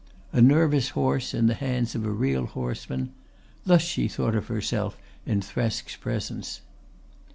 A nervous horse in the hands of a real horseman thus she thought of herself in Thresk's presence.